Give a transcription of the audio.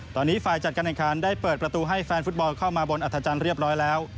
ตอนนี้ฝ่ายจัดการแข่งขันได้เปิดประตูให้แฟนฟุตบอลเข้ามาบนอัธจันทร์เรียบร้อยแล้ว